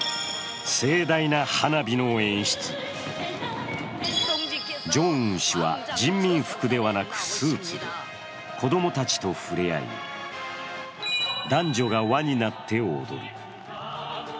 盛大な花火の演出、ジョンウン氏は人民服ではなくスーツで子供たちとふれあい、男女が輪になって踊る。